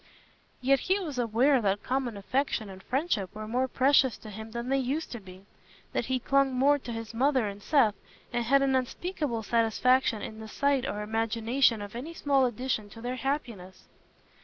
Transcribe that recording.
Yet he was aware that common affection and friendship were more precious to him than they used to be—that he clung more to his mother and Seth, and had an unspeakable satisfaction in the sight or imagination of any small addition to their happiness.